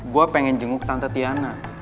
gue pengen jenguk tante tiana